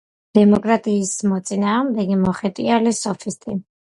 დემოკრატიის მოწინააღმდეგე, მოხეტიალე სოფისტი.